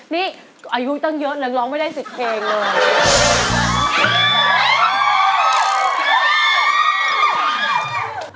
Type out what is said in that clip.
นี่อายุตั้งเยอะนางร้องไม่ได้๑๐เพลงเลย